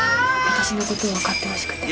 私の事をわかってほしくて。